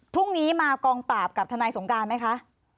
พรุ่งนี้มากองปราบกับทนายสงการไหมคะ